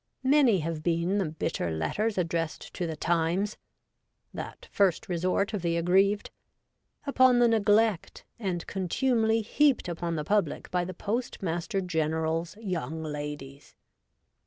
Many WOMEN IN MEN'S EMPLOYMENTS. 135 have been the bitter letters addressed to the Times — that first resort of the aggrieved — upon the neglect and contumely heaped upon the public by the Postmaster General's young ladies.